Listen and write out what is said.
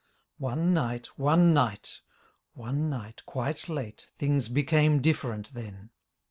One night, one night, one night quite late. Things became different then.